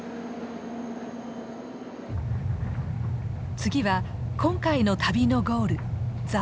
次は今回の旅のゴールザ・パー。